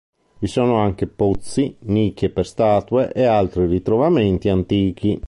Vi sono anche pozzi, nicchie per statue e altri ritrovamenti antichi.